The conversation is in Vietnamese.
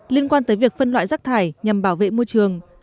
liên quan tới việc phân loại rác thải nhằm bảo vệ môi trường